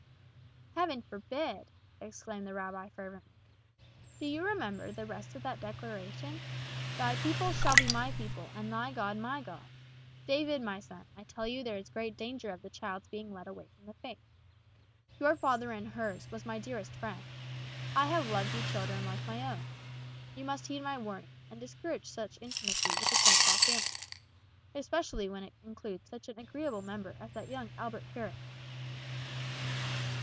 "Heaven forbid!" exclaimed the rabbi, fervently. "Do you remember that the rest of that declaration is, 'Thy people shall be my people, and thy God my God?' David, my son, I tell you there is great danger of the child's being led away from the faith. Your father and hers was my dearest friend. I have loved you children like my own. You must heed my warning, and discourage such intimacy with a Gentile family, especially when it includes such an agreeable member as that young Albert Herrick."